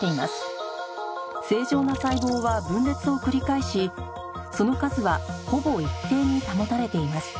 正常な細胞は分裂を繰り返しその数はほぼ一定に保たれています